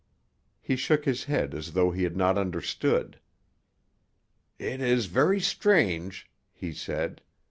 He shook his head as though he had not understood. "It is very strange," he said.